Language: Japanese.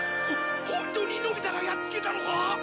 ホントにのび太がやっつけたのか！？